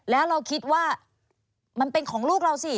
แล้วเราคิดว่ามันเป็นของลูกเราสิ